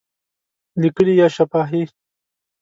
لیکلي یا شفاهی؟